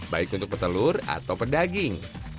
baik untuk petelur atau pedaging